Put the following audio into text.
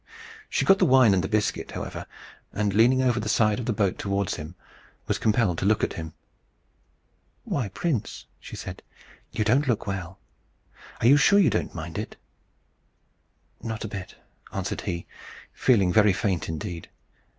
She got the wine and the biscuit, however, and leaning over the side of the boat towards him, was compelled to look at him. "Why, prince," she said, "you don't look well! Are you sure you don't mind it?" "Not a bit," answered he, feeling very faint in deed.